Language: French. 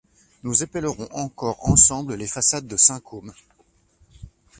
Nous épellerons encore ensemble les façades de Saint-Côme